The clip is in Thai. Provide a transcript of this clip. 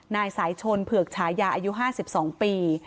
นายสายชนเผือกฉายาอายุ๕๒ปี